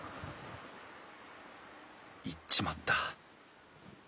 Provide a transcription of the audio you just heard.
行っちまった。